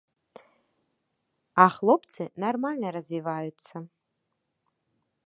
А хлопцы нармальна развіваюцца.